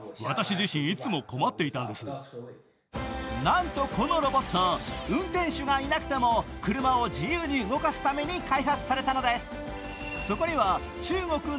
なんとこのロボット、運転手がいなくても車を自由に動かすために開発されたのです。